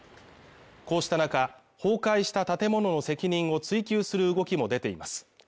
こうした中崩壊した建物の責任を追及する動きも出ています